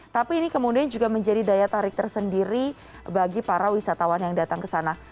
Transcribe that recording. tapi ini kemudian juga menjadi daya tarik tersendiri bagi para wisatawan yang datang ke sana